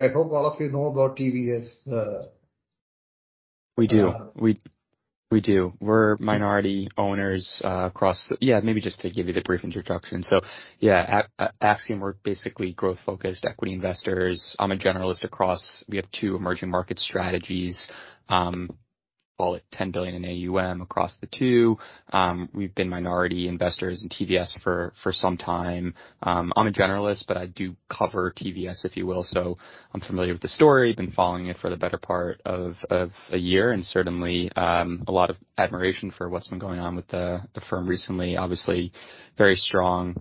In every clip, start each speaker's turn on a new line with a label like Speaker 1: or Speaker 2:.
Speaker 1: I hope all of you know about TVS.
Speaker 2: We do. We do. We're minority owners across... Maybe just to give you the brief introduction. Axiom, we're basically growth-focused equity investors. I'm a generalist across... We have two emerging market strategies, call it $10 billion in AUM across the two. We've been minority investors in TVS for some time. I'm a generalist, I do cover TVS, if you will. I'm familiar with the story. Been following it for the better part of a year and certainly, a lot of admiration for what's been going on with the firm recently. Obviously, very strong,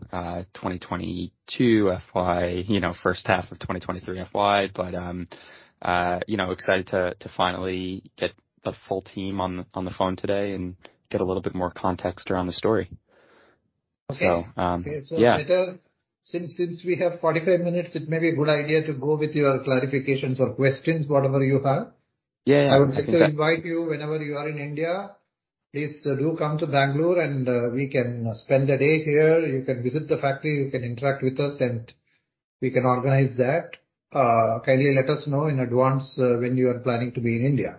Speaker 2: 2022 FY, you know, first half of 2023 FY. You know, excited to finally get the full team on the phone today and get a little bit more context around the story. Yeah.
Speaker 1: Okay. Since we have 45 minutes, it may be a good idea to go with your clarifications or questions, whatever you have.
Speaker 2: Yeah, yeah.
Speaker 1: I would like to invite you whenever you are in India, please do come to Bangalore and we can spend the day here. You can visit the factory, you can interact with us, and we can organize that. Kindly let us know in advance when you are planning to be in India.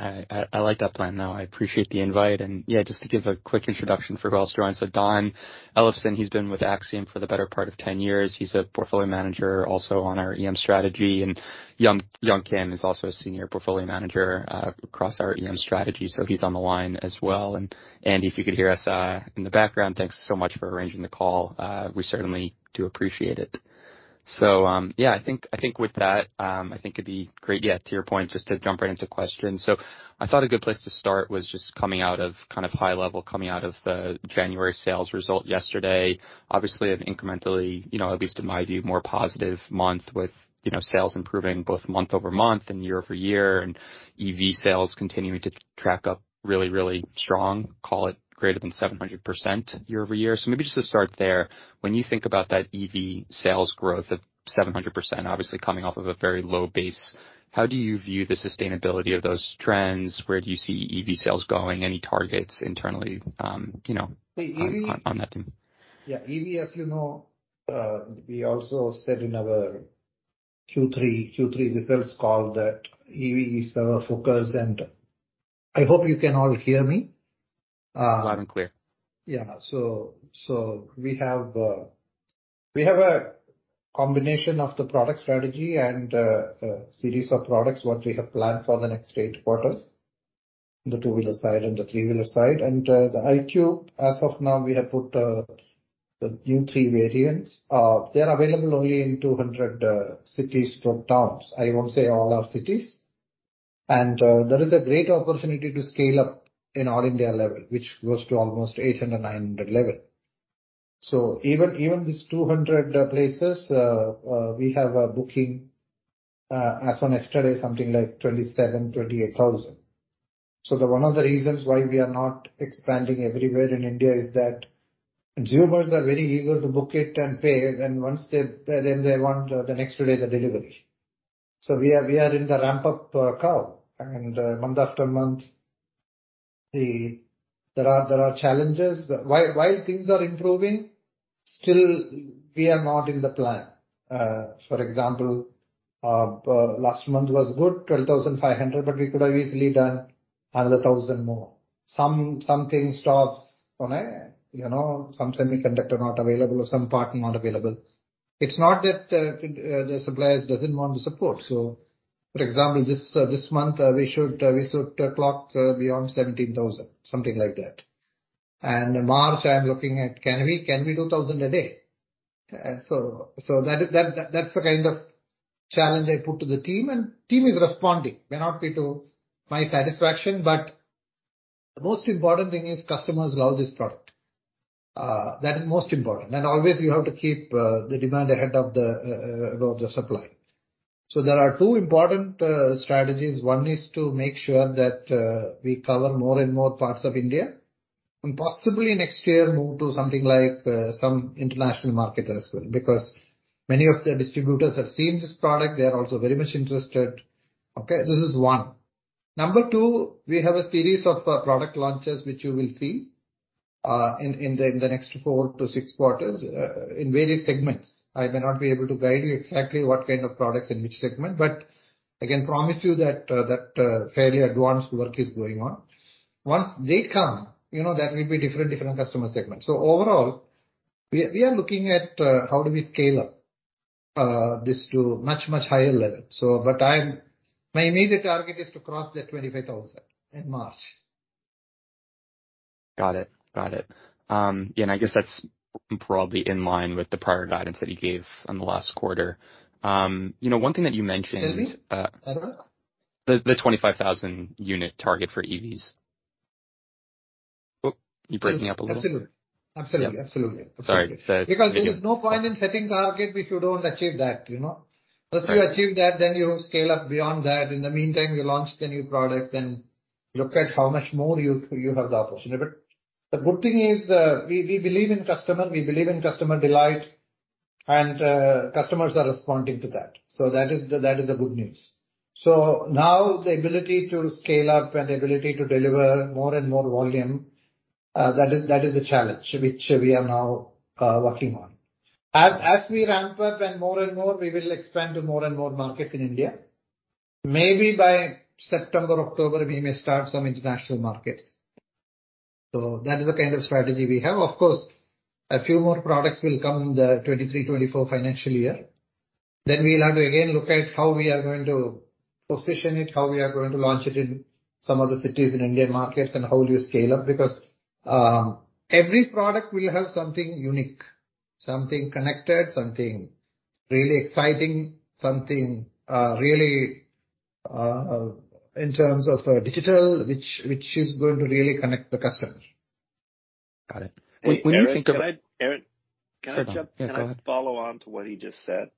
Speaker 2: I like that plan now. I appreciate the invite. Yeah, just to give a quick introduction for who else joined. Donald Elefson, he's been with Axiom for the better part of 10 years. He's a portfolio manager also on our EM strategy. Young Kim is also a senior portfolio manager across our EM strategy, so he's on the line as well. Andy, if you could hear us in the background, thanks so much for arranging the call. We certainly do appreciate it. Yeah, I think with that, I think it'd be great, yeah, to your point, just to jump right into questions. I thought a good place to start was just coming out of kind of high level, coming out of the January sales result yesterday. Obviously an incrementally, you know, at least in my view, more positive month with, you know, sales improving both month-over-month and year-over-year, and EV sales continuing to track up really, really strong. Call it greater than 700% year-over-year. Maybe just to start there, when you think about that EV sales growth of 700%, obviously coming off of a very low base, how do you view the sustainability of those trends? Where do you see EV sales going? Any targets internally, you know, on that team?
Speaker 1: Yeah. EV, as you know, we also said in our Q3 results call that EV is our focus. I hope you can all hear me.
Speaker 2: Loud and clear.
Speaker 1: Yeah. We have a combination of the product strategy and a series of products, what we have planned for the next eight quarters, the two-wheeler side and the three-wheeler side. The iQube, as of now, we have put the new three variants. They are available only in 200 cities from towns. I won't say all our cities. There is a great opportunity to scale up in all India level, which goes to almost 800, 900 level. Even these 200 places, we have a booking as on yesterday, something like 27,000-28,000. The one of the reasons why we are not expanding everywhere in India is that consumers are very eager to book it and pay. They want the next day the delivery. We are in the ramp-up curve. Month after month, there are challenges. While things are improving, still we are not in the plan. For example, last month was good, 12,500, but we could have easily done another 1,000 more. Something stops on a, you know, some semiconductor not available or some part not available. It's not that the suppliers doesn't want to support. For example, this month, we should clock beyond 17,000, something like that. March, I am looking at can we do 1,000 a day? That's the kind of challenge I put to the team, and team is responding. May not be to my satisfaction, but the most important thing is customers love this product. That is most important. Always you have to keep the demand ahead of the supply. There are two important strategies. One is to make sure that we cover more and more parts of India, and possibly next year move to something like some international market as well. Many of the distributors have seen this product, they are also very much interested. Okay, this is one. Number two, we have a series of product launches which you will see in the next four to six quarters in various segments. I may not be able to guide you exactly what kind of products in which segment, I can promise you that fairly advanced work is going on. Once they come, you know, that will be different customer segments. Overall, we are looking at how do we scale up this to much, much higher level. My immediate target is to cross that 25,000 in March.
Speaker 2: Got it. Got it. Yeah, I guess that's probably in line with the prior guidance that you gave on the last quarter. You know, one thing that you mentioned.
Speaker 1: Excuse me? I don't know.
Speaker 2: The 25,000 unit target for EVs. Oh, you breaking up a little.
Speaker 1: Absolutely.
Speaker 2: Yeah.
Speaker 1: Absolutely.
Speaker 2: Sorry. The video.
Speaker 1: There is no point in setting target if you don't achieve that, you know?
Speaker 2: Right.
Speaker 1: Once you achieve that, you scale up beyond that. In the meantime, you launch the new product, look at how much more you have the opportunity. The good thing is, we believe in customer, we believe in customer delight, and customers are responding to that. That is the good news. Now the ability to scale up and the ability to deliver more and more volume, that is the challenge which we are now working on. As we ramp up and more and more we will expand to more and more markets in India, maybe by September, October we may start some international markets. That is the kind of strategy we have. Of course, a few more products will come in the 2023/2024 financial year. We'll have to again look at how we are going to position it, how we are going to launch it in some other cities in Indian markets, and how we scale up. Every product will have something unique, something connected, something really exciting, something really in terms of digital, which is going to really connect the customer.
Speaker 2: Got it. When you think about-
Speaker 3: Eric, can I?
Speaker 2: Sure. Yeah, go ahead.
Speaker 3: Can I follow on to what he just said?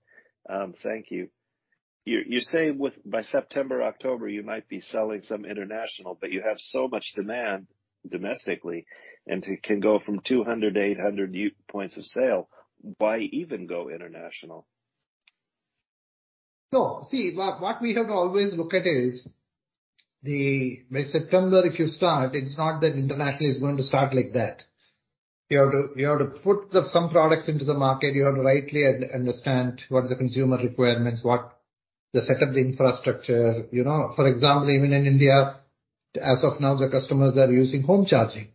Speaker 3: Thank you. You're saying with... by September, October you might be selling some international, but you have so much demand domestically, and you can go from 200 to 800 points of sale. Why even go international?
Speaker 1: No. See, what we have to always look at is the. By September, if you start, it's not that international is going to start like that. You have to put some products into the market. You have to rightly understand what the consumer requirements, what the set of the infrastructure, you know. For example, even in India, as of now, the customers are using home charging.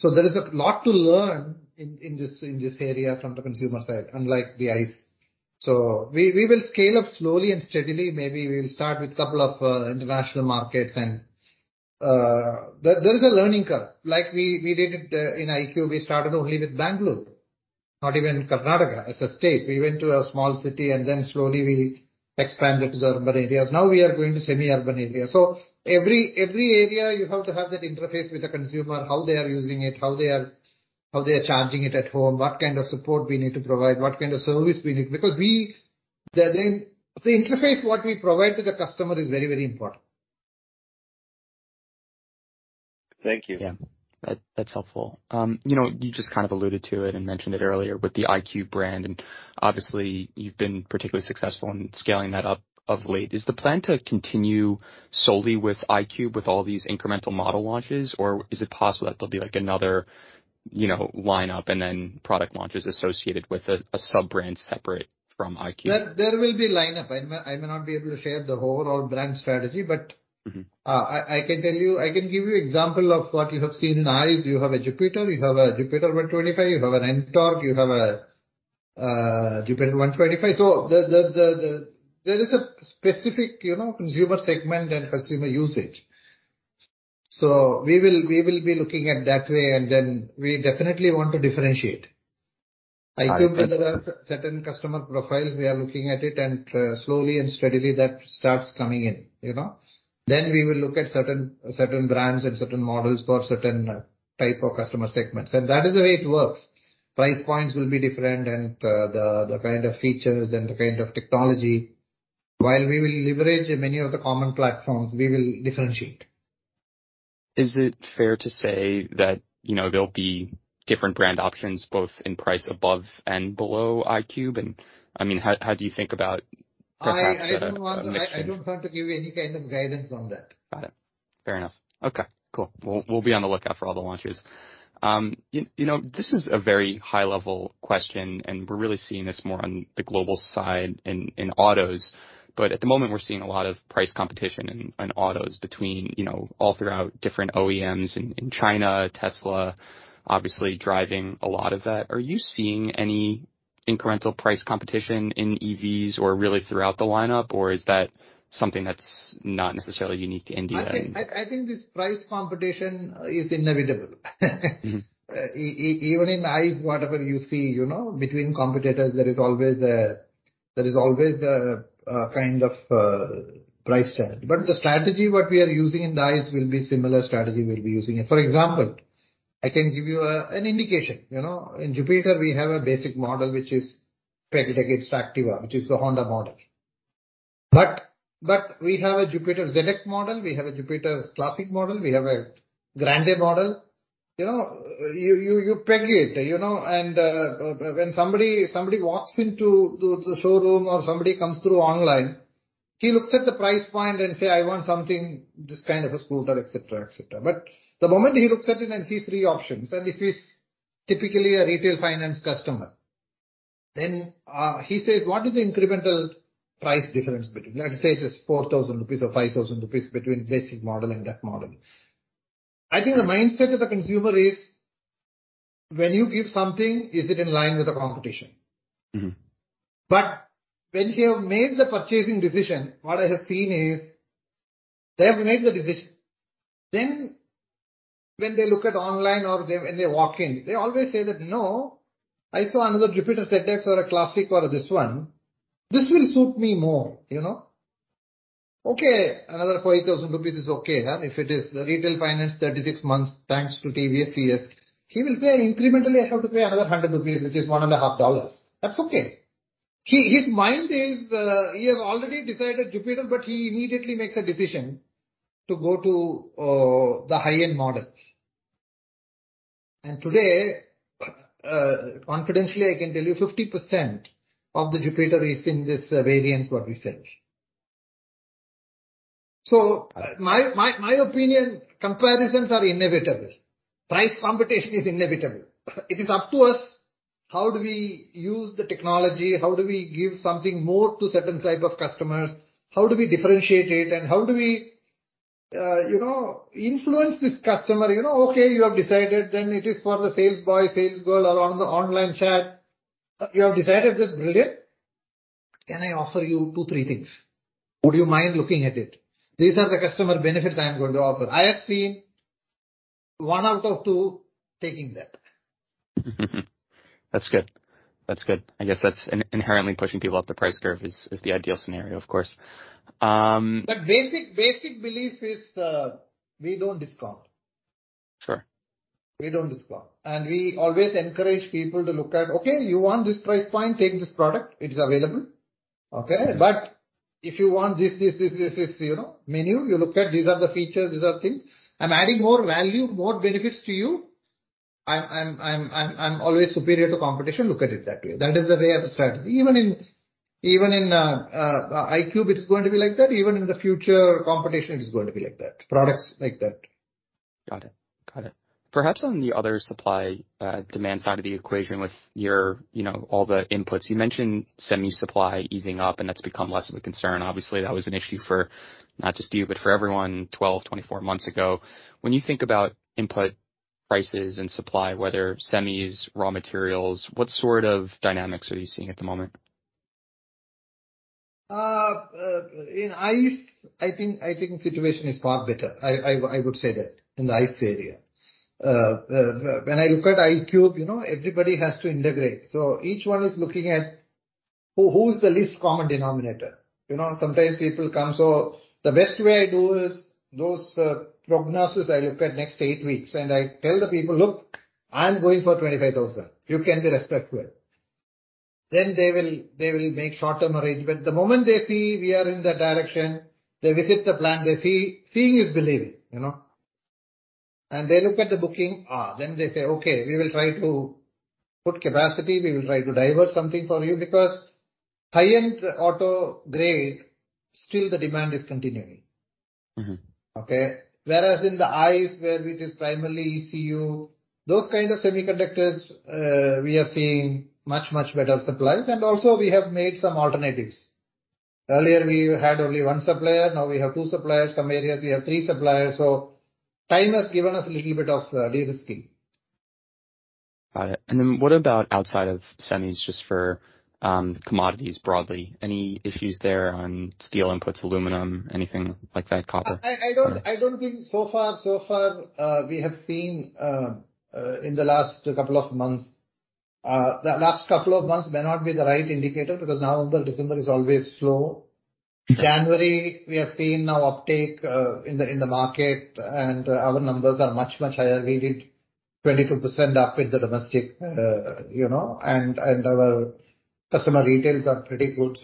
Speaker 1: There is a lot to learn in this, in this area from the consumer side, unlike the ICE. We will scale up slowly and steadily. Maybe we'll start with couple of international markets and there is a learning curve. Like we did it in iQ. We started only with Bangalore, not even Karnataka as a state. We went to a small city and then slowly we expanded to the urban areas. Now we are going to semi-urban area. Every area you have to have that interface with the consumer, how they are using it, how they are charging it at home, what kind of support we need to provide, what kind of service we need. The interface what we provide to the customer is very, very important.
Speaker 3: Thank you.
Speaker 2: Yeah. That's helpful. You know, you just kind of alluded to it and mentioned it earlier with the iQ brand, and obviously you've been particularly successful in scaling that up of late. Is the plan to continue solely with iQ with all these incremental model launches? Or is it possible that there'll be like another, you know, lineup and then product launches associated with a sub-brand separate from iQ?
Speaker 1: There will be lineup. I may not be able to share the overall brand strategy.
Speaker 2: Mm-hmm.
Speaker 1: I can give you example of what you have seen in ICE. You have a Jupiter, you have a Jupiter 125, you have an NTORQ, you have a Jupiter 125. The there is a specific, you know, consumer segment and consumer usage. We will be looking at that way then we definitely want to differentiate.
Speaker 2: All right.
Speaker 1: iQ is a certain customer profiles. We are looking at it and, slowly and steadily that starts coming in, you know. We will look at certain brands and certain models for certain type of customer segments. That is the way it works. Price points will be different and the kind of features and the kind of technology. While we will leverage many of the common platforms, we will differentiate.
Speaker 2: Is it fair to say that, you know, there'll be different brand options both in price above and below iQ? I mean, how do you think about perhaps a mixture?
Speaker 1: I don't want to give you any kind of guidance on that.
Speaker 2: Got it. Fair enough. Okay, cool. We'll be on the lookout for all the launches. You know, this is a very high-level question, and we're really seeing this more on the global side in autos, but at the moment we're seeing a lot of price competition in autos between, you know, all throughout different OEMs in China, Tesla obviously driving a lot of that. Are you seeing any incremental price competition in EVs or really throughout the lineup, or is that something that's not necessarily unique to India?
Speaker 1: I think this price competition is inevitable.
Speaker 2: Mm-hmm.
Speaker 1: Even in ICE, whatever you see, you know, between competitors, there is always a kind of price tag. The strategy what we are using in the ICE will be similar strategy we'll be using. For example, I can give you an indication. You know, in Jupiter we have a basic model, which is peg it against Activa, which is the Honda model. We have a Jupiter ZX model. We have a Jupiter Classic model. We have a Grande model. You know, you peg it, you know, when somebody walks into the showroom or somebody comes through online, he looks at the price point and say, "I want something, this kind of a scooter," et cetera, et cetera. The moment he looks at it and sees three options, and if he's typically a retail finance customer, he says, "What is the incremental price difference between?" Let's say it is 4,000 rupees or 5,000 rupees between this model and that model. I think the mindset of the consumer is when you give something, is it in line with the competition?
Speaker 2: Mm-hmm.
Speaker 1: When he have made the purchasing decision, what I have seen is they have made the decision, when they look at online or when they walk in, they always say that, "No, I saw another Jupiter ZX or a Classic or this one. This will suit me more, you know." Okay, another 4,000 rupees is okay. If it is retail finance, 36 months, thanks to TVS, he will say, "Incrementally I have to pay another 100 rupees," which is one and a half dollars. That's okay. He, his mind is, he has already decided Jupiter, but he immediately makes a decision to go to the high-end model. Today, confidentially, I can tell you 50% of the Jupiter is in this variants what we sell. My opinion, comparisons are inevitable. Price competition is inevitable. It is up to us, how do we use the technology? How do we give something more to certain type of customers? How do we differentiate it? How do we, you know, influence this customer? You know, okay, you have decided it is for the sales boy, sales girl, or on the online chat. You have decided that. Brilliant. Can I offer you two, three things? Would you mind looking at it? These are the customer benefits I am going to offer. I have seen one out of two taking that.
Speaker 2: That's good. That's good. I guess that's inherently pushing people up the price curve is the ideal scenario, of course.
Speaker 1: Basic belief is, we don't discount.
Speaker 2: Sure.
Speaker 1: We don't discount. We always encourage people to look at, "Okay, you want this price point, take this product, it is available." Okay? If you want this, this, this, you know, menu, you look at these are the features, these are things. I'm adding more value, more benefits to you. I'm always superior to competition. Look at it that way. That is the way I have started. Even in iQube, it is going to be like that. Even in the future competition, it is going to be like that. Products like that.
Speaker 2: Got it. Got it. Perhaps on the other supply, demand side of the equation with your, you know, all the inputs. You mentioned semi supply easing up. That's become less of a concern. Obviously, that was an issue for not just you, but for everyone 12, 24 months ago. When you think about input prices and supply, whether semis, raw materials, what sort of dynamics are you seeing at the moment?
Speaker 1: In ICE, I think the situation is far better. I would say that in the ICE area. When I look at iQube, you know, everybody has to integrate. Each one is looking at who's the least common denominator. You know, sometimes people come. The best way I do is those prognosis I look at next eight weeks, and I tell the people, "Look, I'm going for 25,000. You can be respectful." They will make short-term arrangement. The moment they see we are in that direction, they visit the plant, they see. Seeing is believing, you know. They look at the booking, they say, "Okay, we will try to put capacity. We will try to divert something for you." Because high-end auto grade, still the demand is continuing.
Speaker 2: Mm-hmm.
Speaker 1: Okay? Whereas in the ICE, where it is primarily ECU, those kinds of semiconductors, we are seeing much, much better supplies. Also we have made some alternatives. Earlier, we had only one supplier. Now we have two suppliers. Some areas we have three suppliers. Time has given us a little bit of de-risking.
Speaker 2: Got it. Then what about outside of semis just for, commodities broadly? Any issues there on steel inputs, aluminum, anything like that, copper?
Speaker 1: I don't think so far, we have seen in the last couple of months. The last couple of months may not be the right indicator because November, December is always slow. January, we are seeing now uptake in the market, and our numbers are much higher. We did 22% up in the domestic, you know, and our customer retails are pretty good.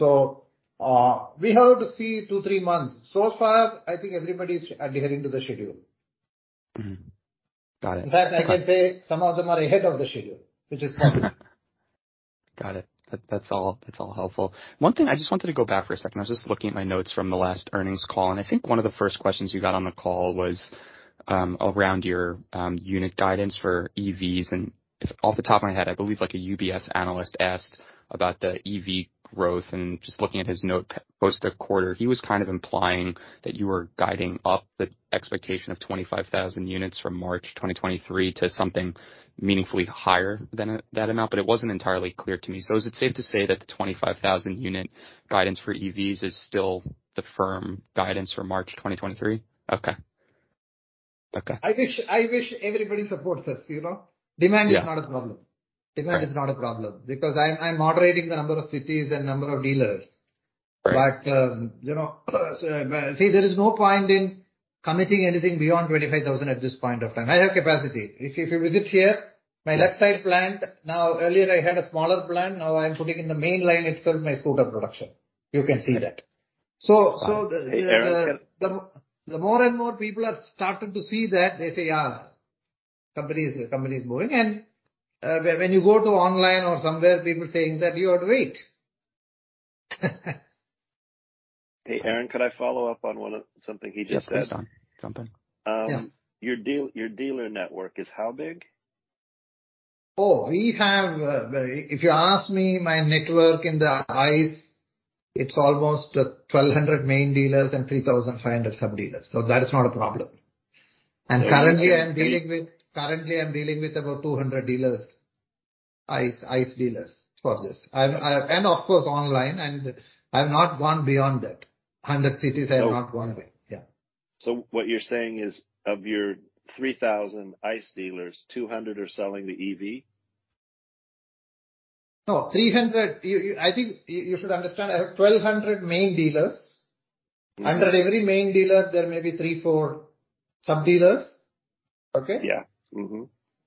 Speaker 1: We have to see two, three months. So far, I think everybody's adhering to the schedule.
Speaker 2: Mm-hmm. Got it.
Speaker 1: In fact, I can say some of them are ahead of the schedule, which is positive.
Speaker 4: Got it. That's all helpful. One thing, I just wanted to go back for a second. I was just looking at my notes from the last earnings call, I think one of the first questions you got on the call was around your unit guidance for EVs. Off the top of my head, I believe like a UBS analyst asked about the EV growth. Just looking at his note post a quarter, he was kind of implying that you were guiding up the expectation of 25,000 units from March 2023 to something meaningfully higher than that amount, but it wasn't entirely clear to me. Is it safe to say that the 25,000 unit guidance for EVs is still the firm guidance for March 2023? Okay.
Speaker 1: I wish everybody supports us, you know.
Speaker 4: Yeah.
Speaker 1: Demand is not a problem.
Speaker 2: Right.
Speaker 1: Demand is not a problem because I'm moderating the number of cities and number of dealers.
Speaker 2: Right.
Speaker 1: You know, see, there is no point in committing anything beyond 25,000 at this point of time. I have capacity. If you visit here, my left side plant, now earlier I had a smaller plant, now I'm putting in the main line itself, my scooter production. You can see that.
Speaker 2: Got it.
Speaker 1: So, so the-
Speaker 3: Hey, Aaron.
Speaker 1: The more and more people have started to see that they say, "the company is moving." When, when you go to online or somewhere, people saying that you have to wait.
Speaker 3: Hey, Aaron, could I follow up on something he just said?
Speaker 4: Yes, please, Don. Jump in. Yeah.
Speaker 3: Your dealer network is how big?
Speaker 1: We have, if you ask me my network in the ICE, it's almost 1,200 main dealers and 3,500 sub-dealers. That is not a problem. Currently I'm dealing with about 200 ICE dealers for this. Of course online, and I've not gone beyond that. 100 cities, I have not gone away. Yeah.
Speaker 3: what you're saying is, of your 3,000 ICE dealers, 200 are selling the EV?
Speaker 1: No, 300. I think you should understand I have 1,200 main dealers. Under every main dealer, there may be three, four sub-dealers. Okay?
Speaker 3: Yeah. Mm-hmm.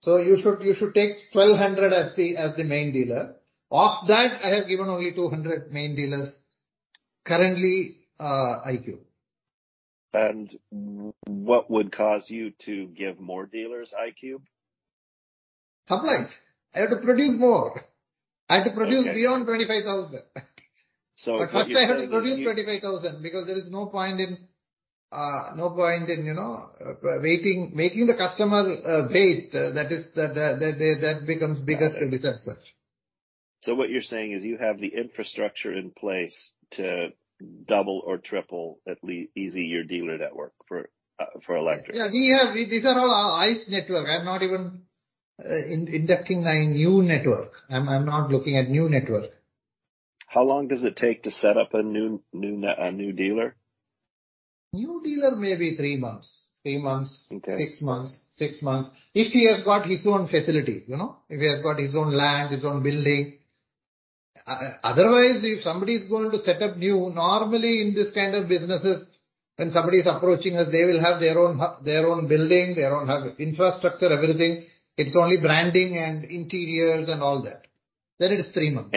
Speaker 1: You should take 1,200 as the main dealer. Of that, I have given only 200 main dealers currently, iQube.
Speaker 3: What would cause you to give more dealers iQube?
Speaker 1: Supply. I have to produce more.
Speaker 3: Okay.
Speaker 1: I have to produce beyond 25,000.
Speaker 3: what you're saying is
Speaker 1: First I have to produce 25,000 because there is no point in, you know, waiting, making the customer wait. That is, that becomes biggest risk as such.
Speaker 3: Got it. What you're saying is you have the infrastructure in place to double or triple easy your dealer network for electric.
Speaker 1: These are all our ICE network. I'm not even inducting my new network. I'm not looking at new network.
Speaker 3: How long does it take to set up a new dealer?
Speaker 1: New dealer maybe three months. Three months.
Speaker 3: Okay.
Speaker 1: Six months. If he has got his own facility, you know? If he has got his own land, his own building. Otherwise, if somebody's going to set up new, normally in this kind of businesses, when somebody's approaching us, they will have their own building, their own infrastructure, everything. It's only branding and interiors and all that. Then it is three months.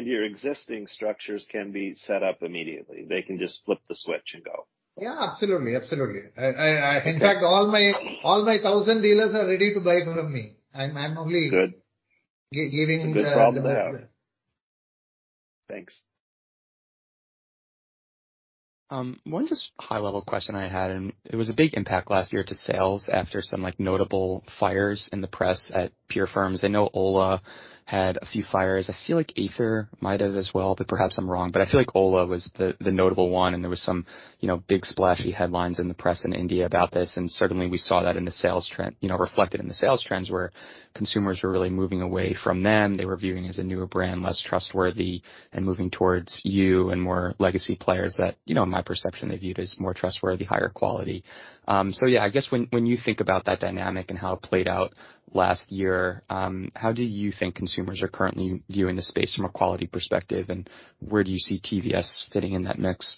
Speaker 3: Your existing structures can be set up immediately. They can just flip the switch and go.
Speaker 1: Yeah, absolutely. Absolutely. I, in fact, all my 1,000 dealers are ready to buy from me. I'm.
Speaker 3: Good.
Speaker 1: Giving the
Speaker 3: Good problem to have. Thanks.
Speaker 2: One just high-level question I had, and it was a big impact last year to sales after some, like, notable fires in the press at pure firms. I know Ola had a few fires. I feel like Ather might have as well, but perhaps I'm wrong. I feel like Ola was the notable one, and there was some, you know, big splashy headlines in the press in India about this. Certainly we saw that in the sales trend, you know, reflected in the sales trends, where consumers were really moving away from them. They were viewing as a newer brand, less trustworthy, and moving towards you and more legacy players that, you know, in my perception, they viewed as more trustworthy, higher quality. Yeah, I guess when you think about that dynamic and how it played out last year, how do you think consumers are currently viewing the space from a quality perspective, and where do you see TVS fitting in that mix?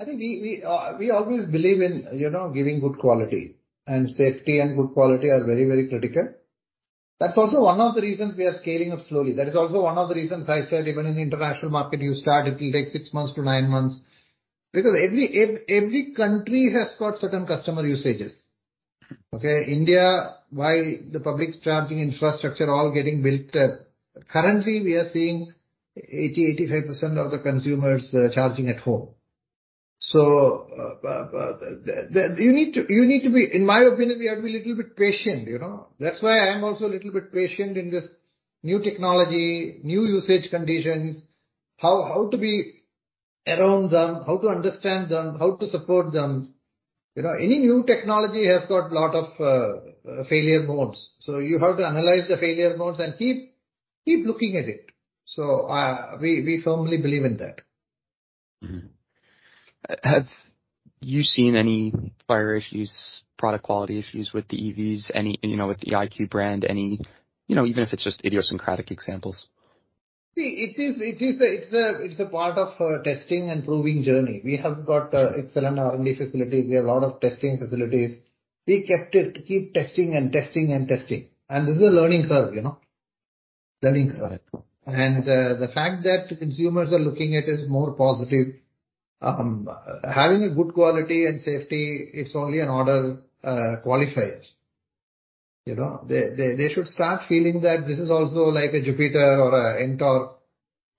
Speaker 1: I think we always believe in, you know, giving good quality, and safety and good quality are very, very critical. That's also one of the reasons we are scaling up slowly. That is also one of the reasons I said even in the international market, you start, it will take six months to nine months. Every country has got certain customer usages, okay? India, while the public charging infrastructure all getting built up, currently we are seeing 80%-85% of the consumers charging at home. You need to be In my opinion, we have to be a little bit patient, you know? That's why I am also a little bit patient in this new technology, new usage conditions, how to be around them, how to understand them, how to support them. You know, any new technology has got lot of failure modes. You have to analyze the failure modes and keep looking at it. We firmly believe in that.
Speaker 2: Mm-hmm. Have you seen any fire issues, product quality issues with the EVs, any, you know, with the iQ brand? Any, you know, even if it's just idiosyncratic examples?
Speaker 1: See, it's a part of a testing and proving journey. We have got excellent R&D facilities. We have a lot of testing facilities. We keep testing and testing and testing. This is a learning curve, you know?
Speaker 2: Got it.
Speaker 1: The fact that consumers are looking at us more positive, having a good quality and safety, it's only an order qualifier. You know? They should start feeling that this is also like a Jupiter or a NTORQ.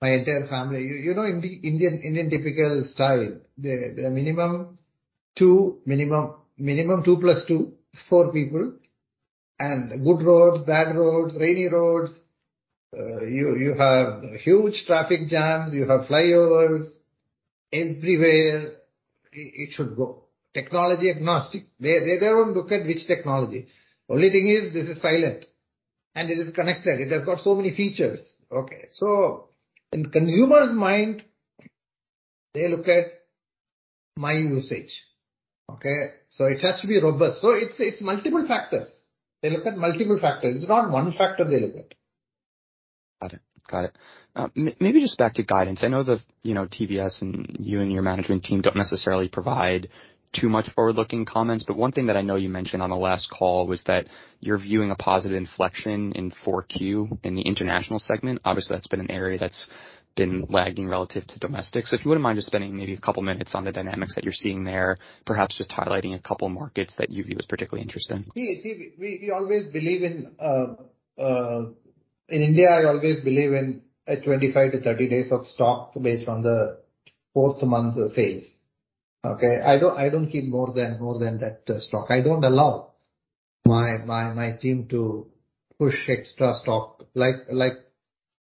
Speaker 1: My entire family... You know Indian typical style. The minimum two, minimum two plus two, four people. Good roads, bad roads, rainy roads, you have huge traffic jams, you have flyovers everywhere it should go. Technology agnostic. They don't look at which technology. Only thing is this is silent, and it is connected. It has got so many features, okay? In consumer's mind, they look at my usage, okay? It has to be robust. It's multiple factors. They look at multiple factors. It's not one factor they look at.
Speaker 2: Got it. Got it. Maybe just back to guidance. I know the, you know, TVS and you and your management team don't necessarily provide too much forward-looking comments, but one thing that I know you mentioned on the last call was that you're viewing a positive inflection in 4 Q in the international segment. Obviously, that's been an area that's been lagging relative to domestic. If you wouldn't mind just spending maybe a couple minutes on the dynamics that you're seeing there, perhaps just highlighting a couple markets that you view as particularly interesting.
Speaker 1: See, we always believe in India, I always believe in a 25-30 days of stock based on the 4th month phase, okay? I don't keep more than that stock. I don't allow my team to push extra stock. Like,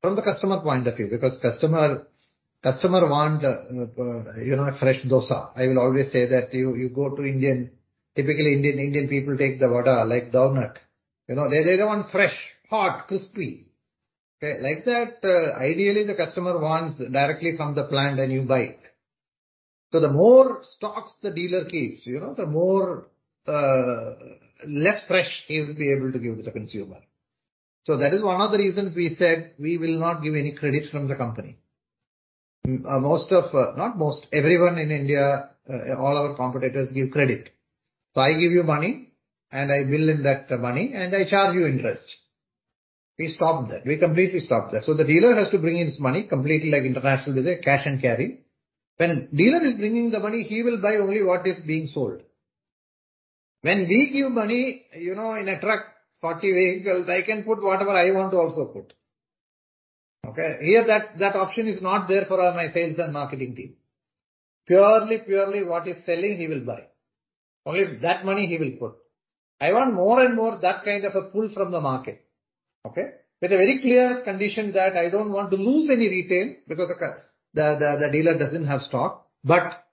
Speaker 1: from the customer point of view, because customer want, you know, fresh dosa. I will always say that you go to Indian, typically Indian people take the vada, like donut. You know, they want fresh, hot, crispy, okay? Like that, ideally the customer wants directly from the plant and you buy it. The more stocks the dealer keeps, you know, the more less fresh he will be able to give to the consumer. That is one of the reasons we said we will not give any credit from the company. Most of, not most, everyone in India, all our competitors give credit. I give you money, and I bill him that money, and I charge you interest. We stopped that. We completely stopped that. The dealer has to bring in his money completely like international visit, cash and carry. When dealer is bringing the money, he will buy only what is being sold. When we give money, you know, in a truck, 40 vehicles, I can put whatever I want to also put. Okay? Here, that option is not there for my sales and marketing team. Purely what he's selling, he will buy. Only that money he will put. I want more and more that kind of a pull from the market, okay? With a very clear condition that I don't want to lose any retail because the dealer doesn't have stock, but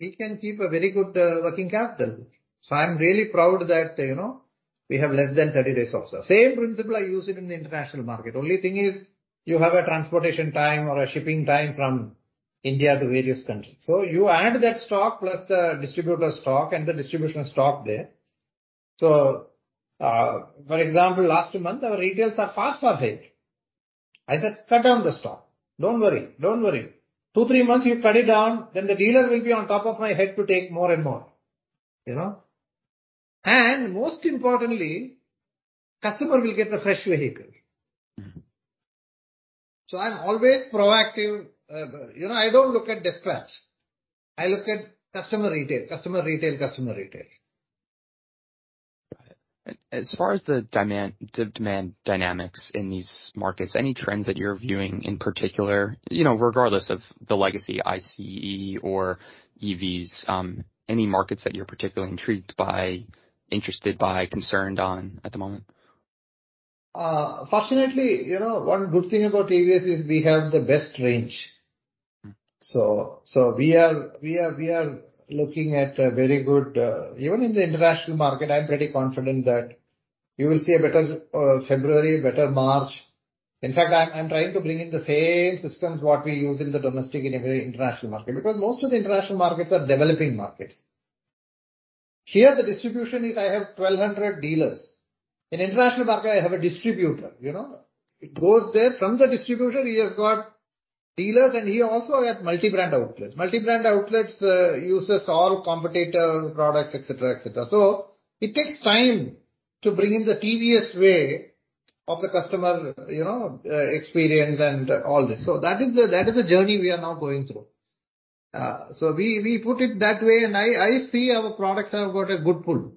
Speaker 1: we can keep a very good working capital. I'm really proud that, you know, we have less than 30 days also. Same principle I use it in the international market. Only thing is you have a transportation time or a shipping time from India to various countries. You add that stock plus the distributor stock and the distribution stock there. For example, last month our retails are far, far ahead. I said, "Cut down the stock. Don't worry. Don't worry." Two, three months you cut it down, then the dealer will be on top of my head to take more and more, you know? Most importantly, customer will get a fresh vehicle.
Speaker 2: Mm-hmm.
Speaker 1: I'm always proactive. You know, I don't look at desktops. I look at customer retail, customer retail, customer retail.
Speaker 2: Got it. As far as the demand dynamics in these markets, any trends that you're viewing in particular, you know, regardless of the legacy ICE or EVs, any markets that you're particularly intrigued by, interested by, concerned on at the moment?
Speaker 1: Fortunately, you know, one good thing about TVS is we have the best range.
Speaker 2: Mm.
Speaker 1: We are looking at a very good. Even in the international market, I'm pretty confident that you will see a better February, better March. In fact, I'm trying to bring in the same systems what we use in the domestic in every international market. Most of the international markets are developing markets. Here, the distribution is I have 1,200 dealers. In international market, I have a distributor, you know? It goes there. From the distributor, he has got dealers, and he also has multi-brand outlets. Multi-brand outlets uses all competitor products, et cetera, et cetera. It takes time to bring in the TVS way of the customer, you know, experience and all this. That is the journey we are now going through. We put it that way, and I see our products have got a good pull.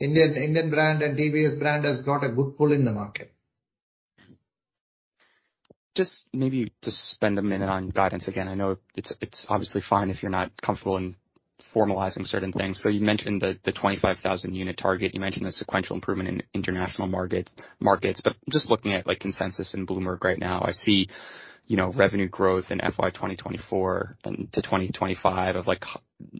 Speaker 1: Indian brand and TVS brand has got a good pull in the market.
Speaker 2: Just maybe just spend a minute on guidance again. I know it's obviously fine if you're not comfortable in formalizing certain things. You mentioned the 25,000 unit target. You mentioned the sequential improvement in international markets. Just looking at, like, consensus in Bloomberg right now, I see, you know, revenue growth in FY 2024 to 2025 of, like,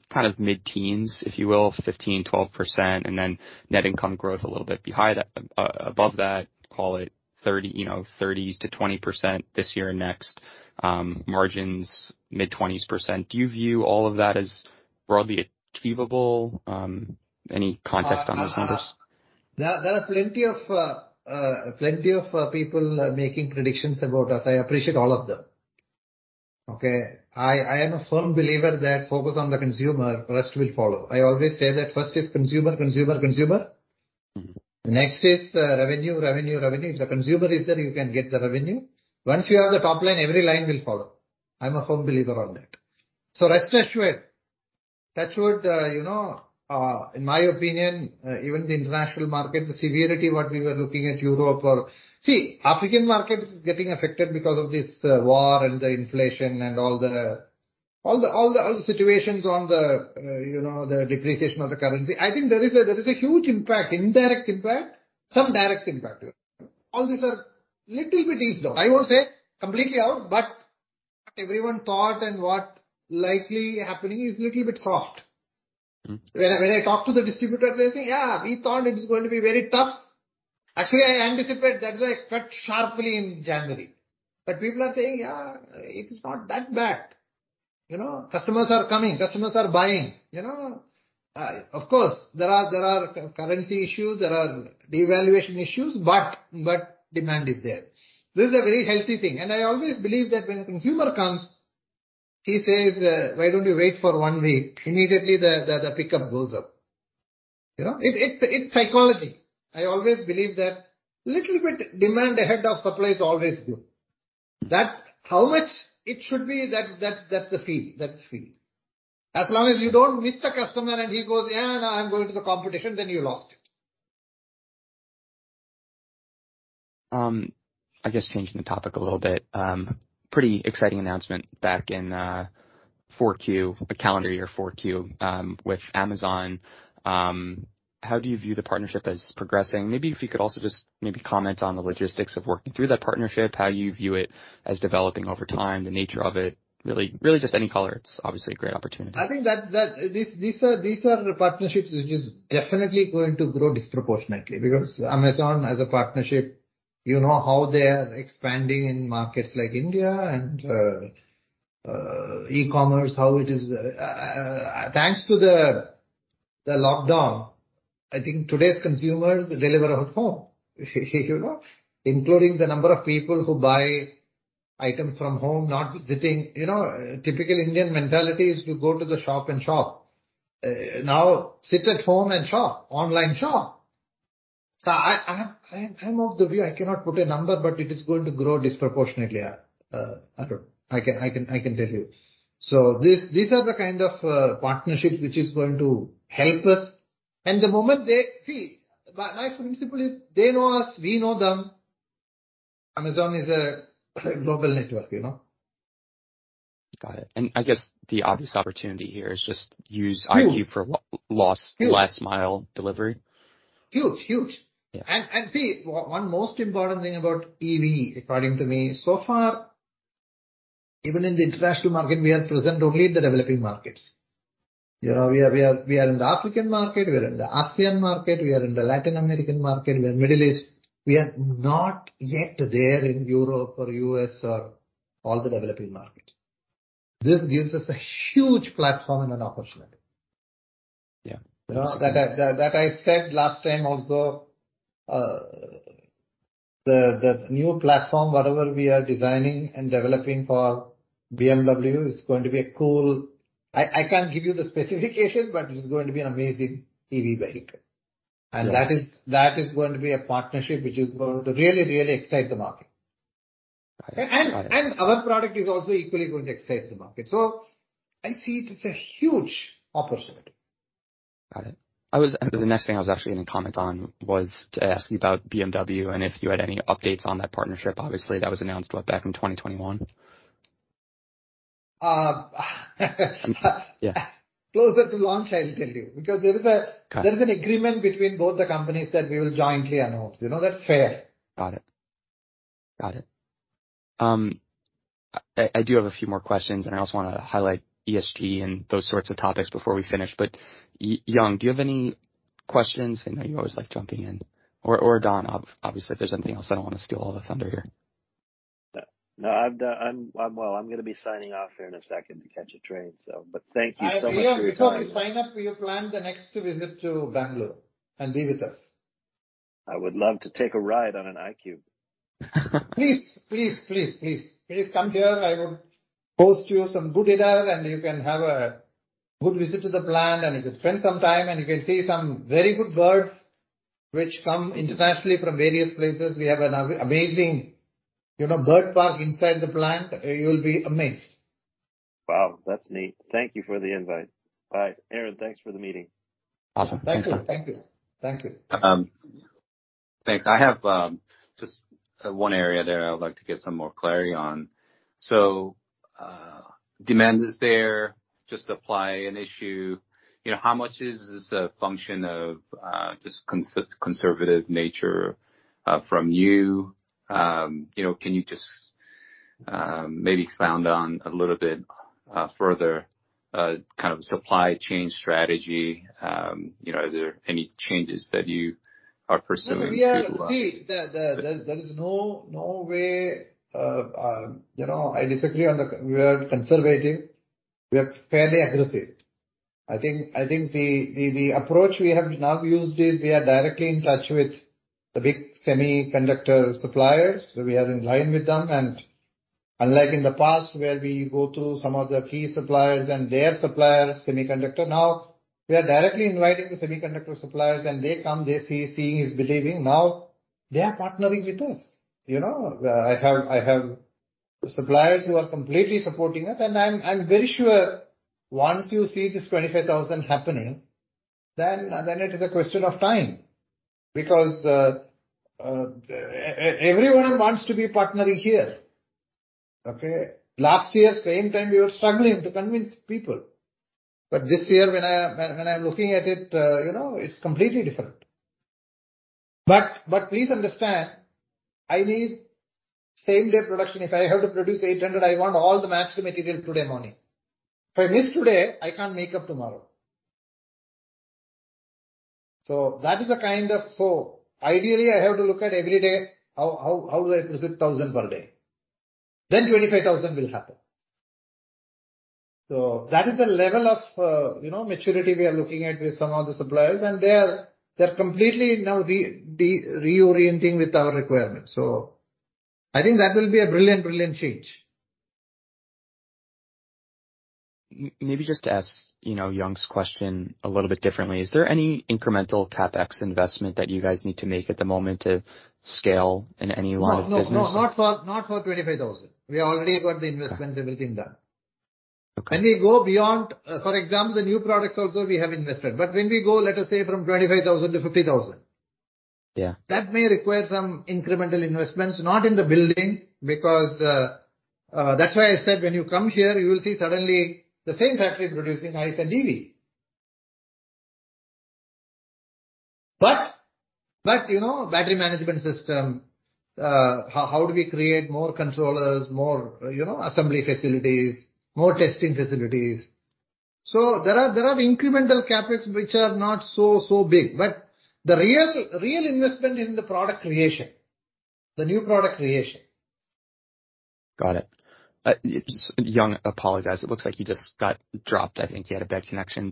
Speaker 2: kind of mid-teens, if you will, 15%, 12%. Net income growth a little bit behind that, above that, call it 30%, you know, 30s-20% this year and next. Margins mid-20s%. Do you view all of that as broadly achievable? Any context on those numbers?
Speaker 1: There are plenty of people making predictions about us. I appreciate all of them. Okay? I am a firm believer that focus on the consumer, rest will follow. I always say that first is consumer, consumer.
Speaker 2: Mm-hmm.
Speaker 1: Next is revenue, revenue. If the consumer is there, you can get the revenue. Once you have the top line, every line will follow. I'm a firm believer on that. Rest assured, that should, you know, in my opinion, even the international market, the severity what we were looking at Europe or. See, African market is getting affected because of this war and the inflation and all the, all the, all the, all the situations on the, you know, the depreciation of the currency. I think there is a huge impact, indirect impact, some direct impact. All these are little bit eased out. I won't say completely out, but what everyone thought and what likely happening is little bit soft.
Speaker 2: Mm.
Speaker 1: When I talk to the distributors, they say, "Yeah, we thought it is going to be very tough." Actually, I anticipate, that's why I cut sharply in January. People are saying, "Yeah, it is not that bad." You know. Customers are coming, customers are buying, you know. Of course, there are currency issues, there are devaluation issues, but demand is there. This is a very healthy thing. I always believe that when a consumer comes, he says, "Why don't you wait for one week?" Immediately the pickup goes up. You know. It's psychology. I always believe that little bit demand ahead of supply is always good. That, how much it should be, that's the feel. That's the feel. As long as you don't miss the customer and he goes, "Yeah, now I'm going to the competition," then you lost it.
Speaker 2: I guess changing the topic a little bit, pretty exciting announcement back in 4Q, calendar year 4Q, with Amazon. How do you view the partnership as progressing? Maybe if you could also just maybe comment on the logistics of working through that partnership, how you view it as developing over time, the nature of it. Really, really just any color. It's obviously a great opportunity.
Speaker 1: I think these are partnerships which is definitely going to grow disproportionately. Amazon as a partnership, you know how they are expanding in markets like India and e-commerce, how it is, thanks to the lockdown, I think today's consumers deliver at home, you know. Including the number of people who buy items from home, not visiting. You know, typical Indian mentality is to go to the shop and shop. Now sit at home and shop, online shop. I, I'm of the view, I cannot put a number, but it is going to grow disproportionately, I can tell you. These are the kind of partnerships which is going to help us. My principle is they know us, we know them. Amazon is a global network, you know?
Speaker 2: Got it. I guess the obvious opportunity here is just.
Speaker 1: Huge.
Speaker 2: IQ for
Speaker 1: Huge.
Speaker 2: last mile delivery.
Speaker 1: Huge, huge.
Speaker 2: Yeah.
Speaker 1: See, one most important thing about EV, according to me, so far, even in the international market, we are present only in the developing markets. You know, we are in the African market, we are in the ASEAN market, we are in the Latin American market, we are in Middle East. We are not yet there in Europe or U.S or all the developing market. This gives us a huge platform and an opportunity.
Speaker 2: Yeah.
Speaker 1: You know, that I said last time also, the new platform, whatever we are designing and developing for BMW is going to be a cool. I can't give you the specification, but it is going to be an amazing EV vehicle.
Speaker 2: Yeah.
Speaker 1: That is going to be a partnership which is going to really excite the market.
Speaker 2: Got it. Got it.
Speaker 1: Our product is also equally going to excite the market. I see it as a huge opportunity.
Speaker 2: Got it. The next thing I was actually gonna comment on was to ask you about BMW and if you had any updates on that partnership. Obviously, that was announced, what, back in 2021.
Speaker 1: Uh.
Speaker 2: Yeah.
Speaker 1: Closer to launch, I'll tell you, because there is.
Speaker 2: Got it.
Speaker 1: There is an agreement between both the companies that we will jointly announce. You know, that's fair.
Speaker 2: Got it. Got it. I do have a few more questions, I also wanna highlight ESG and those sorts of topics before we finish. Young, do you have any questions? I know you always like jumping in. Don, obviously, if there's anything else. I don't wanna steal all the thunder here.
Speaker 5: Well, I'm gonna be signing off here in a second to catch a train. Thank you so much for your time.
Speaker 1: Young, before you sign off, will you plan the next visit to Bangalore and be with us?
Speaker 5: I would love to take a ride on an iQube.
Speaker 1: Please. Please come here. I would host you some good dinner. You can have a good visit to the plant. You could spend some time. You can see some very good birds which come internationally from various places. We have an amazing, you know, bird park inside the plant. You'll be amazed.
Speaker 5: Wow, that's neat. Thank you for the invite. Bye. Aaron, thanks for the meeting.
Speaker 2: Awesome. Thanks, Don.
Speaker 1: Thank you. Thank you. Thank you.
Speaker 2: Thanks. I have just one area there I would like to get some more clarity on. Demand is there, just supply an issue. You know, how much is this a function of just conservative nature from you? You know, can you just maybe expound on a little bit further kind of supply chain strategy? You know, are there any changes that you are pursuing to?
Speaker 1: No, you know, I disagree on the we are conservative. We are fairly aggressive. The approach we have now used is we are directly in touch with the big semiconductor suppliers. We are in line with them. Unlike in the past, where we go through some of the key suppliers and their suppliers, semiconductor, now we are directly inviting the semiconductor suppliers, and they come, they see. Seeing is believing. Now they are partnering with us, you know. I have suppliers who are completely supporting us. I'm very sure once you see this 25,000 happening, it is a question of time. Everyone wants to be partnering here, okay? Last year, same time we were struggling to convince people. This year when I'm looking at it, you know, it's completely different. Please understand, I need same-day production. If I have to produce 800, I want all the matched material today morning. If I miss today, I can't make up tomorrow. That is the kind of. Ideally, I have to look at every day, how do I produce 1,000 per day? 25,000 will happen. That is the level of, you know, maturity we are looking at with some of the suppliers. They are, they're completely now reorienting with our requirements. I think that will be a brilliant change.
Speaker 2: Maybe just to ask, you know, Young's question a little bit differently. Is there any incremental CapEx investment that you guys need to make at the moment to scale in any line of business?
Speaker 1: No, no. Not for, not for 25,000. We already got the investments-
Speaker 2: Okay.
Speaker 1: everything done.
Speaker 2: Okay.
Speaker 1: When we go beyond, for example, the new products also we have invested. But when we go, let us say, from 25,000 to 50,000.
Speaker 2: Yeah.
Speaker 1: That may require some incremental investments, not in the building, because that's why I said when you come here, you will see suddenly the same factory producing ICE and EV. You know, battery management system, how do we create more controllers, more, you know, assembly facilities, more testing facilities. There are incremental CapEx which are not so big, but the real investment in the product creation, the new product creation.
Speaker 2: Got it. Young, apologize. It looks like you just got dropped. I think you had a bad connection.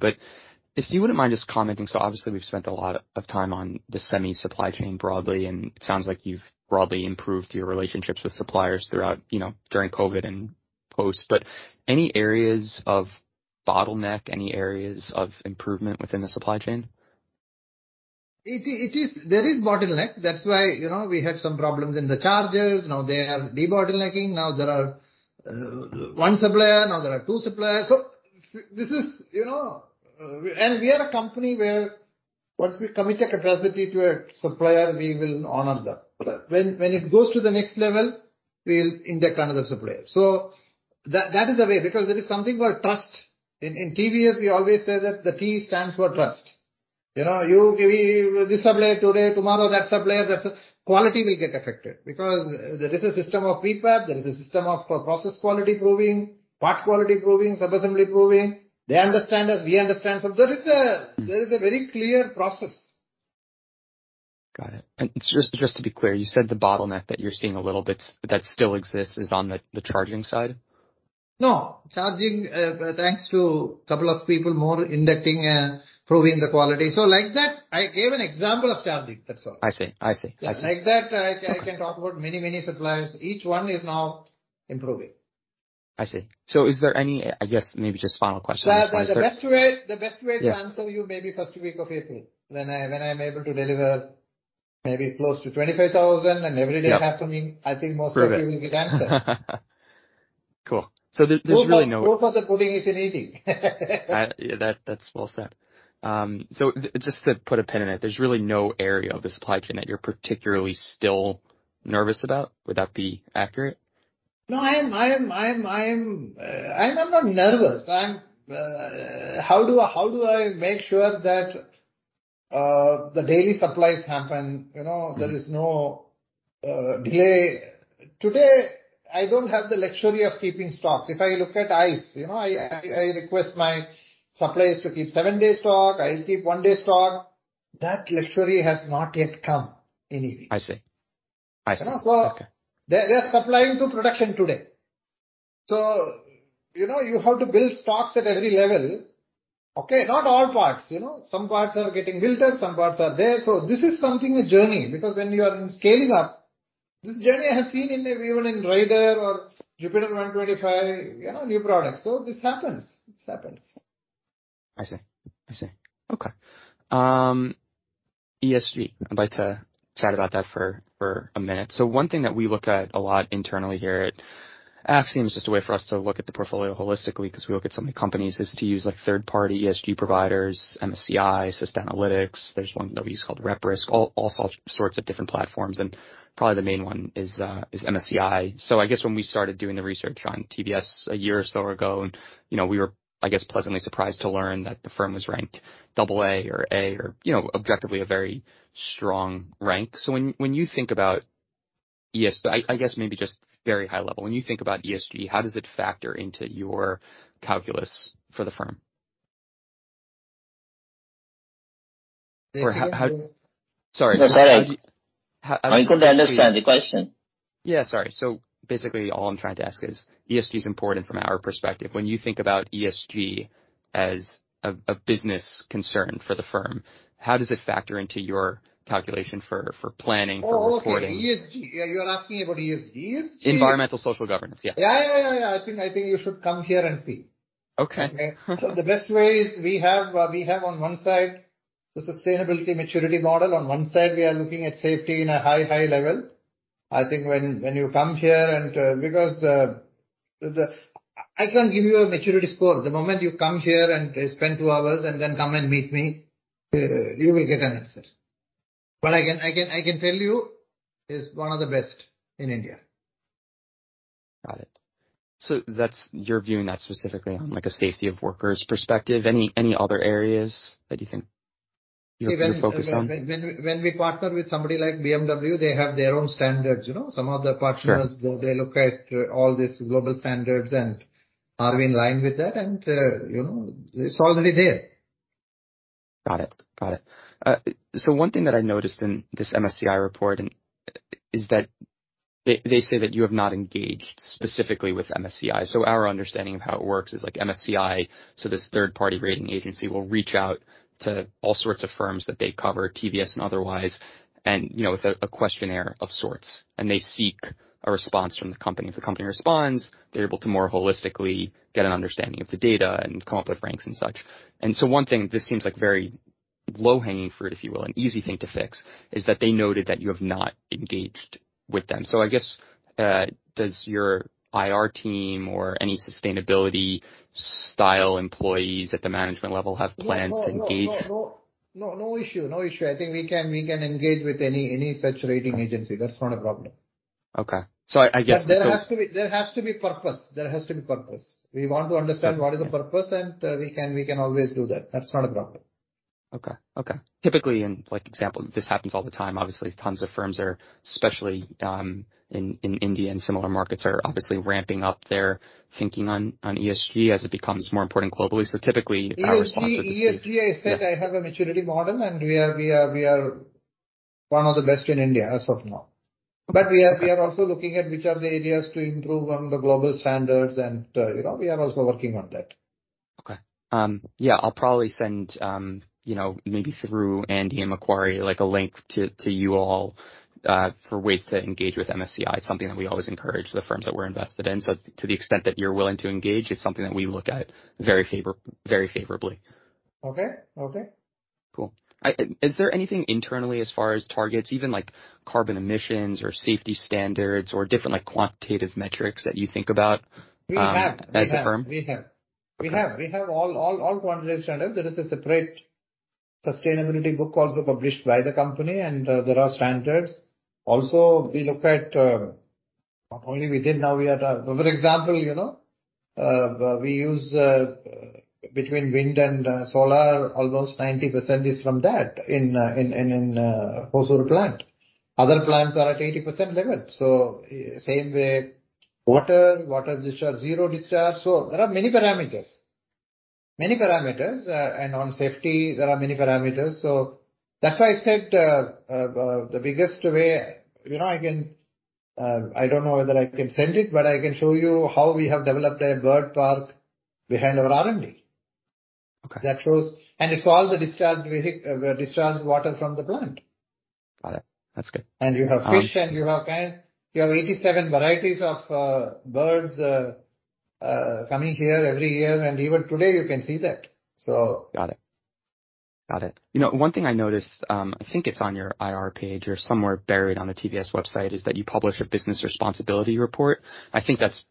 Speaker 2: If you wouldn't mind just commenting. Obviously, we've spent a lot of time on the semi supply chain broadly, and it sounds like you've broadly improved your relationships with suppliers throughout, you know, during COVID and post. Any areas of bottleneck, any areas of improvement within the supply chain?
Speaker 1: It is. There is bottleneck. That's why, you know, we had some problems in the charges. Now they are debottlenecking. Now there are 1 supplier, now there are two suppliers. This is, you know. We are a company where once we commit a capacity to a supplier, we will honor them. When it goes to the next level, we'll index another supplier. That is the way, because there is something called trust. In TVS, we always say that the T stands for trust. You know, you give this supplier today, tomorrow that supplier, quality will get affected because there is a system of PPAP. There is a system of process quality proving, part quality proving, sub-assembly proving. They understand us, we understand. There is a very clear process.
Speaker 2: Got it. Just to be clear, you said the bottleneck that you're seeing a little bit that still exists is on the charging side?
Speaker 1: No. Charging, thanks to a couple of people more inducting and proving the quality. Like that, I gave an example of charging. That's all.
Speaker 2: I see. I see. I see.
Speaker 1: Like that, I can talk about many suppliers. Each one is now improving.
Speaker 2: I see. Is there any... I guess maybe just final question-
Speaker 1: The best way.
Speaker 2: Yeah.
Speaker 1: to answer you may be first week of April when I, when I'm able to deliver maybe close to 25,000.
Speaker 2: Yeah.
Speaker 1: every day happening, I think most-
Speaker 2: Perfect.
Speaker 1: of it will be done.
Speaker 2: Cool. there's really no-
Speaker 6: Proof of the pudding is in eating.
Speaker 2: That's well said. Just to put a pin in it, there's really no area of the supply chain that you're particularly still nervous about. Would that be accurate?
Speaker 6: No, I'm not nervous. I'm, how do I make sure that the daily supplies happen? You know, there is no delay. Today, I don't have the luxury of keeping stocks. If I look at ICE, you know, I request my suppliers to keep seven day stock. I'll keep one day stock. That luxury has not yet come anyway.
Speaker 2: I see. I see.
Speaker 6: So-
Speaker 2: Okay.
Speaker 1: They are supplying to production today. You know, you have to build stocks at every level. Okay, not all parts, you know. Some parts are getting built, and some parts are there. This is something, a journey, because when you are scaling up, this journey I have seen in even in TVS Raider or TVS Jupiter 125, you know, new products. This happens. This happens.
Speaker 2: I see. I see. Okay. ESG, I'd like to chat about that for a minute. One thing that we look at a lot internally here at Axiom is just a way for us to look at the portfolio holistically, because we look at so many companies, is to use like third-party ESG providers, MSCI, Sustainalytics. There's one that we use called RepRisk, all sorts of different platforms, and probably the main one is MSCI. I guess when we started doing the research on TVS a year or so ago, and you know, we were, I guess, pleasantly surprised to learn that the firm was ranked AA or A or, you know, objectively a very strong rank. When you think about I guess maybe just very high level. When you think about ESG, how does it factor into your calculus for the firm? Or how.
Speaker 1: Sorry.
Speaker 2: Sorry.
Speaker 1: I couldn't understand the question.
Speaker 2: Sorry. Basically, all I'm trying to ask is ESG is important from our perspective. When you think about ESG as a business concern for the firm, how does it factor into your calculation for planning, for reporting?
Speaker 1: Oh, okay. ESG. You're asking about ESG.
Speaker 2: Environmental Social Governance. Yeah.
Speaker 1: Yeah. Yeah. Yeah. I think you should come here and see.
Speaker 2: Okay.
Speaker 1: The best way is we have on one side the sustainability maturity model. On one side, we are looking at safety in a high level. I think when you come here and because I can give you a maturity score. The moment you come here and spend two hours and then come and meet me, you will get an answer. I can tell you, it's one of the best in India.
Speaker 2: Got it. You're viewing that specifically on, like, a safety of workers perspective. Any other areas that you think you're focused on?
Speaker 1: When we partner with somebody like BMW, they have their own standards, you know. Some of the partners.
Speaker 2: Sure.
Speaker 1: They look at all these global standards and are we in line with that? You know, it's already there.
Speaker 2: Got it. Got it. One thing that I noticed in this MSCI report and, is that they say that you have not engaged specifically with MSCI. Our understanding of how it works is like MSCI, this third-party rating agency will reach out to all sorts of firms that they cover, TVS and otherwise, and, you know, with a questionnaire of sorts, and they seek a response from the company. If the company responds, they're able to more holistically get an understanding of the data and come up with ranks and such. One thing, this seems like very low-hanging fruit, if you will, an easy thing to fix, is that they noted that you have not engaged with them. I guess, does your IR team or any sustainability style employees at the management level have plans to engage?
Speaker 1: No, no issue. No issue. I think we can engage with any such rating agency. That's not a problem.
Speaker 2: Okay.
Speaker 1: There has to be purpose. There has to be purpose. We want to understand what is the purpose, and we can always do that. That's not a problem.
Speaker 2: Okay. Okay. Typically, in like example, this happens all the time, obviously, tons of firms are, especially, in India and similar markets, are obviously ramping up their thinking on ESG as it becomes more important globally. Typically, our response would be...
Speaker 1: ESG, I said I have a maturity model, and we are one of the best in India as of now. We are also looking at which are the areas to improve on the global standards and, you know, we are also working on that.
Speaker 2: Okay. Yeah, I'll probably send, you know, maybe through Andy and Macquarie, like, a link to you all, for ways to engage with MSCI. It's something that we always encourage the firms that we're invested in. To the extent that you're willing to engage, it's something that we look at very favorably.
Speaker 1: Okay. Okay.
Speaker 2: Cool. Is there anything internally as far as targets, even like carbon emissions or safety standards or different, like, quantitative metrics that you think about as a firm?
Speaker 1: We have all quantitative standards. There is a separate sustainability book also published by the company, and there are standards. Also we look at not only within. For example, you know, we use between wind and solar, almost 90% is from that in Hosur plant. Other plants are at 80% level. Same way, water discharge, zero discharge. There are many parameters. On safety, there are many parameters. That's why I said, the biggest way, you know, I can, I don't know whether I can send it, but I can show you how we have developed a bird park behind our R&D.
Speaker 2: Okay.
Speaker 1: That shows. It's all the discharged water from the plant.
Speaker 2: Got it. That's good.
Speaker 1: You have fish, and you have kind, you have 87 varieties of birds coming here every year. Even today you can see that.
Speaker 2: Got it. Got it. You know, one thing I noticed, I think it's on your IR page or somewhere buried on the TVS website, is that you publish a Business Responsibility Report. I think that's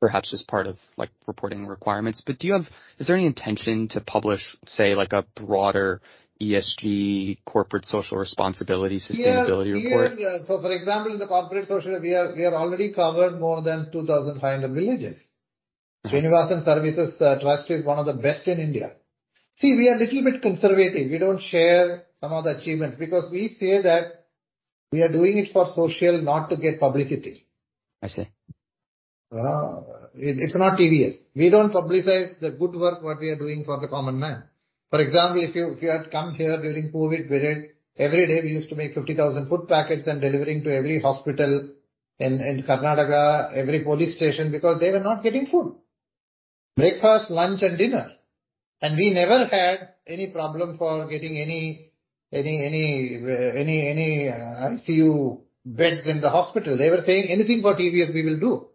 Speaker 2: perhaps just part of, like, reporting requirements. Is there any intention to publish, say, like a broader ESG corporate social responsibility sustainability report?
Speaker 1: Yeah. Yeah. For example, in the corporate social, we are already covered more than 2,500 villages.
Speaker 2: Okay.
Speaker 1: Srinivasan Services Trust is one of the best in India. We are little bit conservative. We don't share some of the achievements because we say that we are doing it for social, not to get publicity.
Speaker 2: I see.
Speaker 1: It's not TVS. We don't publicize the good work what we are doing for the common man. For example, if you had come here during COVID period, every day we used to make 50,000 food packets and delivering to every hospital in Karnataka, every police station, because they were not getting food. Breakfast, lunch and dinner. We never had any problem for getting any ICU beds in the hospital. They were saying, "Anything for TVS, we will do."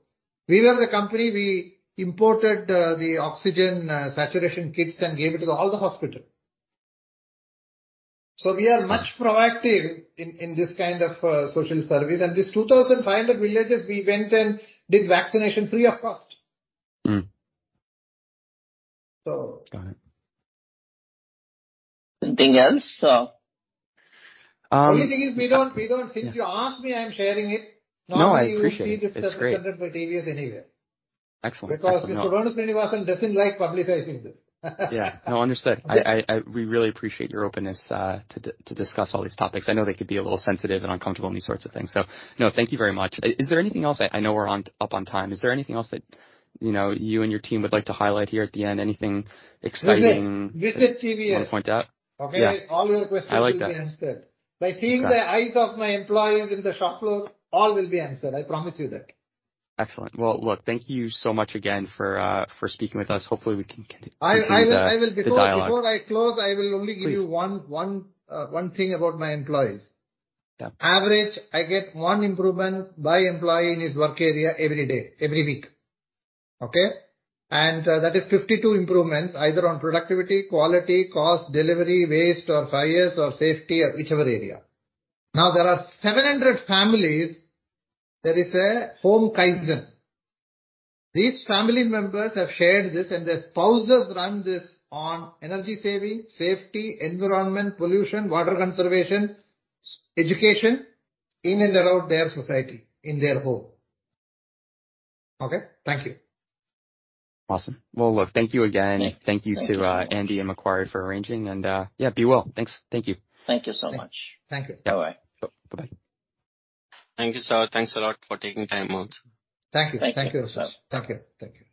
Speaker 1: We were the company, we imported the oxygen saturation kits and gave it to all the hospital. We are much proactive in this kind of social service. These 2,500 villages, we went and did vaccination free of cost.
Speaker 2: Mm.
Speaker 1: So.
Speaker 2: Got it.
Speaker 5: Anything else?
Speaker 2: Um-
Speaker 1: Only thing is we don't. Since you asked me, I'm sharing it.
Speaker 2: No, I appreciate it. It's great.
Speaker 1: Normally you won't see this sort of standard for TVS anywhere.
Speaker 2: Excellent.
Speaker 1: Because Mr. Venu Srinivasan doesn't like publicizing this.
Speaker 2: Yeah. No, understood. I. We really appreciate your openness to discuss all these topics. I know they could be a little sensitive and uncomfortable and these sorts of things. No, thank you very much. Is there anything else? I know we're on, up on time. Is there anything else that, you know, you and your team would like to highlight here at the end? Anything exciting?
Speaker 1: Visit. Visit TVS....
Speaker 2: you wanna point out? Yeah.
Speaker 1: Okay. All your questions-
Speaker 2: I like that....
Speaker 1: will be answered.
Speaker 2: Okay.
Speaker 1: By seeing the eyes of my employees in the shop floor, all will be answered, I promise you that.
Speaker 2: Excellent. Well, look, thank you so much again for speaking with us. Hopefully we can.
Speaker 1: I will.
Speaker 2: continue the dialogue.
Speaker 1: Before I close, I will only give you.
Speaker 2: Please...
Speaker 1: one thing about my employees.
Speaker 2: Yeah.
Speaker 1: Average, I get one improvement by employee in his work area every day, every week. Okay? That is 52 improvements, either on productivity, quality, cost, delivery, waste or fires or safety or whichever area. There are 700 families, there is a home Kaizen. These family members have shared this, and their spouses run this on energy saving, safety, environment, pollution, water conservation, education in and around their society, in their home. Okay? Thank you.
Speaker 2: Awesome. Well, look, thank you again.
Speaker 1: Thank you.
Speaker 2: Thank you to, Andy and Macquarie for arranging and, yeah, be well. Thanks. Thank you.
Speaker 5: Thank you so much.
Speaker 1: Thank you.
Speaker 5: Bye-bye.
Speaker 2: Cool. Bye-bye.
Speaker 5: Thank you, sir. Thanks a lot for taking time out.
Speaker 1: Thank you.
Speaker 5: Thank you.
Speaker 1: Thank you. Thank you.